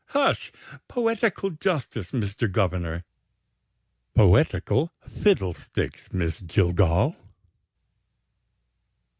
hush! Poetical justice, Mr. Governor!" "Poetical fiddlesticks, Miss Jillgall."